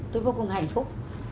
tôi vô cùng hạnh phúc